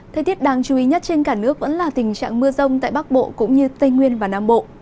thời tiết đáng chú ý nhất trên cả nước vẫn là tình trạng mưa rông tại bắc bộ cũng như tây nguyên và nam bộ